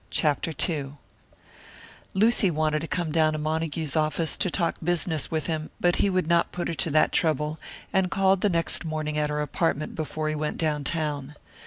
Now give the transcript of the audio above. CHAPTER II Lucy wanted to come down to Montague's office to talk business with him; but he would not put her to that trouble, and called the next morning at her apartment before he went down town.